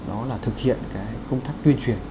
đó là thực hiện cái công tác tuyên truyền